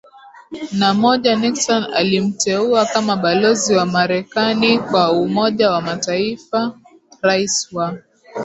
na moja Nixon alimteua kama balozi wa Marekani kwa Umoja wa MataifaRais wa